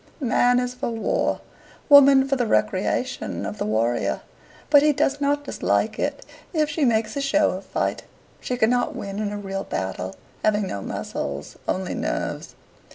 Man is for war, woman for the recreation of the warrior, but he does not dislike it if she makes a show of fight. She cannot win in a real battle, having no muscles, only nerves.